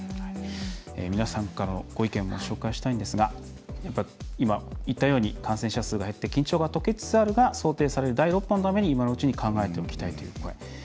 皆さんからのご意見ご紹介したいんですが今言ったように感染者数が減って緊張が解けつつあるが想定される第６波のために今のうちに考えておきたい。